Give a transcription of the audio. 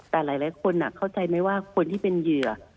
แต่หลายคนเข้าใจไหมว่าคนที่เป็นเหยื่อ